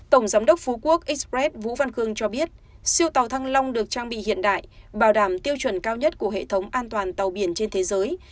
tổng giám đốc phú quốc express vũ văn khương cho biết siêu tàu thăng long được trang bị hiện đại bảo đảm tiêu chuẩn cao nhất của hệ thống an toàn tàu biển trên thế giới